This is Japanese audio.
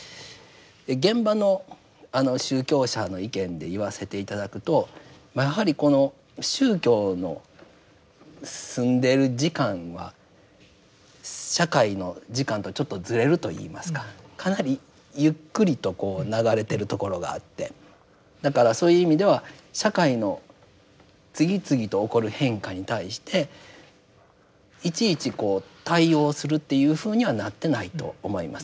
現場の宗教者の意見で言わせて頂くとやはりこの宗教の住んでいる時間は社会の時間とちょっとずれるといいますかかなりゆっくりとこう流れているところがあってだからそういう意味では社会の次々と起こる変化に対していちいちこう対応するっていうふうにはなってないと思います。